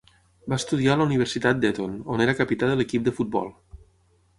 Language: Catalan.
Va estudiar a la Universitat d'Eton, on era capità de l'equip de futbol.